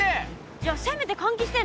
じゃあせめて換気してね。